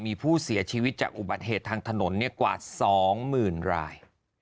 มีผู้เสียชีวิตจากอุบัติเหตุทางถนนกว่า๒๐๐๐ราย